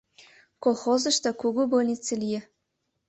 Колхозышто кугу больнице лиеш.